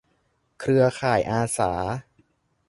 เครือข่ายอาสา